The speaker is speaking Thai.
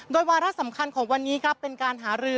โดยวาระสำคัญของวันนี้ครับเป็นการหารือ